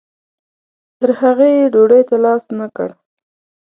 تر هغې یې ډوډۍ ته لاس نه کړ.